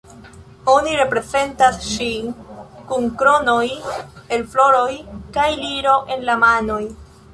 Oni reprezentas ŝin kun kronoj el floroj kaj liro en la manoj.